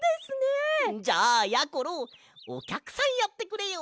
じゃあやころおきゃくさんやってくれよ。